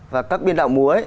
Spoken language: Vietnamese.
và các biên đạo mùa